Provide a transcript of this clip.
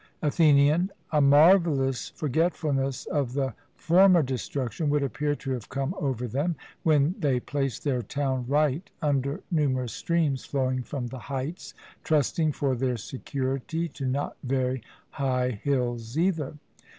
ATHENIAN: A marvellous forgetfulness of the former destruction would appear to have come over them, when they placed their town right under numerous streams flowing from the heights, trusting for their security to not very high hills, either.